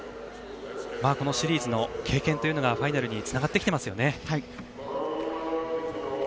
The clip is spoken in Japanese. このシリーズの経験がファイナルにつながってきていますね。